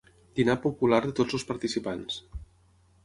Dinar popular de tots els participants.